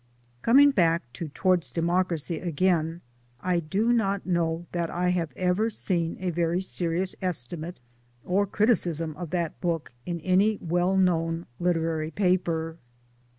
Coming back to Towards Democracy again, I do not know that I have ever seen a very serious estimate or criticism of that book in any well known literary paper.